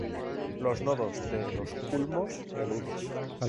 Los nodos de los culmos peludos.